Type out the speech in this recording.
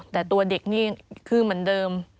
แต่ตัวเด็กนี่คือเหมือนเดิม